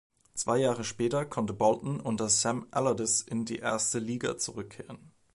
Zwei Jahre später konnte Bolton unter Sam Allardyce in die erste Liga zurückkehren.